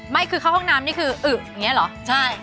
ไม่คือเข้าห้องน้ำนี่คืออึกอย่างนี้เหรอใช่